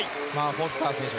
フォスター選手